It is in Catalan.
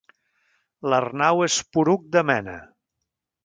L'Arnau és poruc de mena.